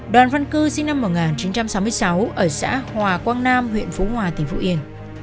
đoàn văn cư sinh năm một nghìn chín trăm sáu mươi sáu ở xã hòa quang nam huyện phú hòa tỉnh phú yên